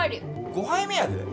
５杯目やで。